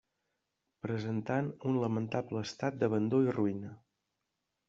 Presentant un lamentable estat d'abandó i ruïna.